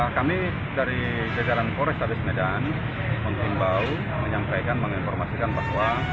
kami dari jalan polrestabes medan mencimbau menyampaikan menginformasikan bahwa